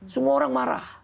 semua orang marah